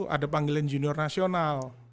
ada panggilan junior nasional